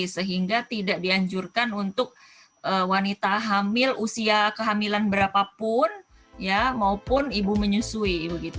sehingga tidak dianjurkan untuk wanita hamil usia kehamilan berapapun maupun ibu menyusui